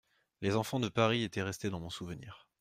Les enfants de Paris étaient restés dans mon souvenir.